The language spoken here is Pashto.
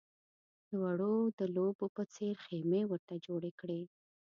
د وړو د لوبو په څېر خېمې ورته جوړې کړې.